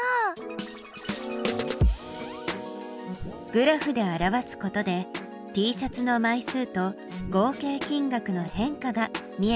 グラフで表すことでＴシャツの枚数と合計金額の変化が見えてきたね。